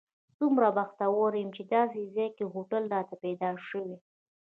څومره بختور یم چې داسې ځای کې هوټل راته پیدا شوی.